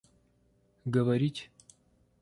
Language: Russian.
говорить